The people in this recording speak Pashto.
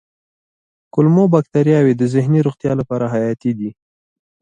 کولمو بکتریاوې د ذهني روغتیا لپاره حیاتي دي.